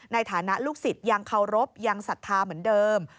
ในฐานะลูกศิษย์ยังเคารพยังศรัทธาเหมือนเดิม